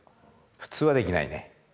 普通はできないね。